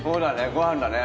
ご飯だね。